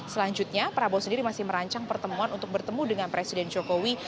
selanjutnya prabowo sendiri masih merancang pertemuan untuk bertemu dengan presiden jokowi